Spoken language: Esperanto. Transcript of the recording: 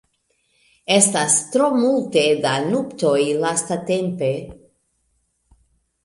Estas tro multe da nuptoj lastatempe.